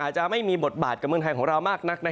จะไม่มีบทบาทกับเมืองไทยของเรามากนัก